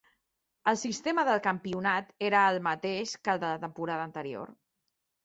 El sistema del campionat era el mateix que el de la temporada anterior.